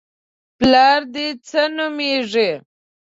_پلار دې څه نومېږي؟